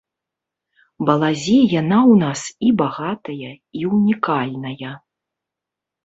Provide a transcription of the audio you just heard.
Балазе яна ў нас і багатая, і ўнікальная.